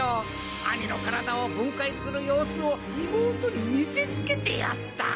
兄の体を分解する様子を妹に見せつけてやった。